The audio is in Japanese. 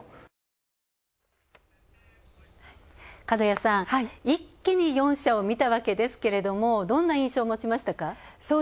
角谷さん、一気に４社を見たわけですけどもどんな印象を持ちましたか？